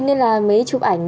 nên là mới chụp ảnh